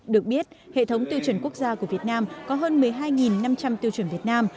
được biết hệ thống tiêu chuẩn quốc gia của việt nam có hơn một mươi hai năm trăm linh tiêu chuẩn việt nam